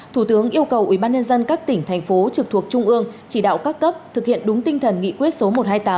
thủ tướng yêu cầu ủy ban nhân dân các tỉnh thành phố trực thuộc trung ương chỉ đạo các cấp thực hiện đúng tinh thần nghị quyết số một trăm hai mươi tám